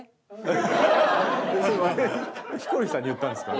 それヒコロヒーさんに言ったんですか？